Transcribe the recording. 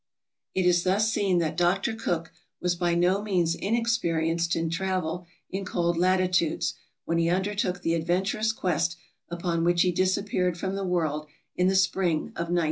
It is thus seen that Dr. Cook was by no means inexperienced in travel in cold latitudes when he undertook the adventurous quest upon which he disappeared from the world in the spring of 1908.